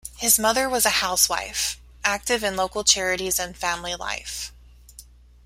His mother was a housewife, active in local charities and family life.